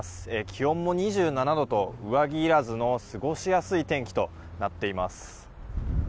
気温も２７度と上着いらずの過ごしやすい天気となっています。